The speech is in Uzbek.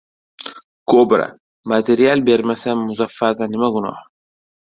Kobra» matiryal bermasa, Muzaffarda nima gunoh?